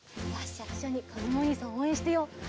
じゃあいっしょにかずむおにいさんをおうえんしてよう。